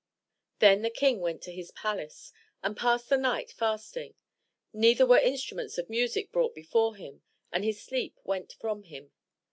Then the King went to his palace, and passed the night fast ing; neither were instruments of music brought before him, and his sleep went from him.